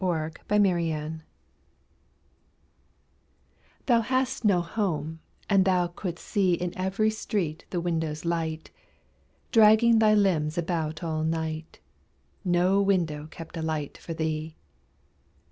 FRANCIS THOMPSON Thou hadst no home, and thou couldst see In every street the windows' light: Dragging thy limbs about all night, No window kept a light for thee.